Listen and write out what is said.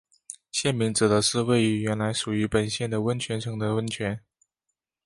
县名指的是位于原来属于本县的温泉城的温泉。